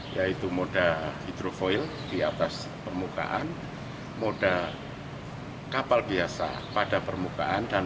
yaitu moda hidrofoil di atas permukaan moda kapal biasa pada permukaan